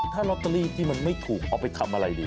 ถ้าลอตเตอรี่ที่มันไม่ถูกเอาไปทำอะไรดี